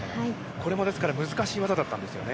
これも難しい技だったんですよね。